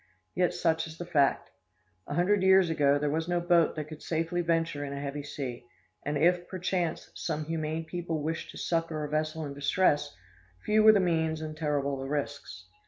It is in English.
Yet such is the fact. A hundred years ago, there was no boat that could safely venture in a heavy sea; and if, perchance, some humane people wished to succor a vessel in distress, few were the means and terrible the risks.